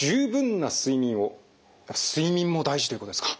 睡眠も大事ということですか？